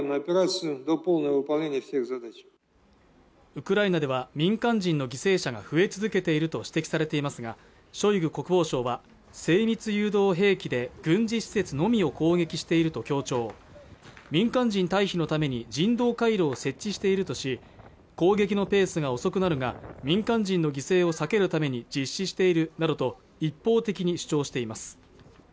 ウクライナでは民間人の犠牲者が増え続けていると指摘されていますがショイグ国防相は精密誘導兵器で軍事施設のみを攻撃していると強調民間人退避のために人道回廊を設置しているとし攻撃のペースが遅くなるが民間人の犠牲を避けるために実施しているなどと一方的に主張しています